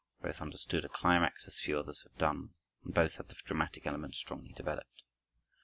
Both understood a climax as few others have done, and both had the dramatic element strongly developed.